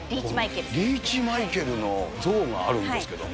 リーチマイケルの像があるんですけども。